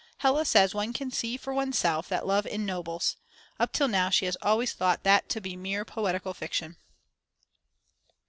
Hella says one can see for oneself that love ennobles; up till now she has always thought that to be mere poetical fiction.